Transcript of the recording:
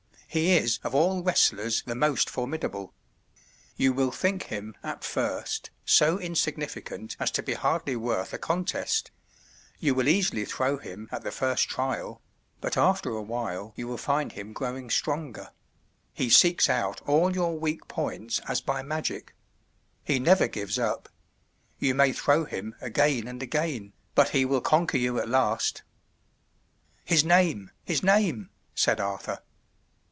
He is of all wrestlers the most formidable. You will think him at first so insignificant as to be hardly worth a contest; you will easily throw him at the first trial; but after a while you will find him growing stronger; he seeks out all your weak points as by magic; he never gives up; you may throw him again and again, but he will conquer you at last." "His name! his name!" said Arthur.